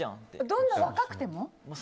どんなに若くても？